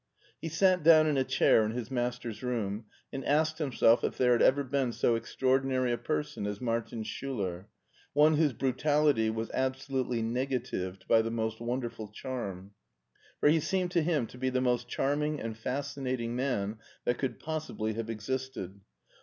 He sat down in a chair in his master's room, and asked himself if there had ever been so extraordinary a person as Martin Schiiler, one whose brutality was absolutely negatived by the most wonderful charm; for he seemed to him to be the most charming and fas cinating man that could possibly have existed..